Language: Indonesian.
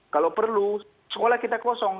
kalau perlu sekolah kita kosong